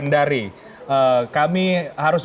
dari kami harus